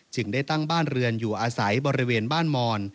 จึงได้ตั้งบ้านเรือนอยู่อาศัยบริเวณบ้านมอน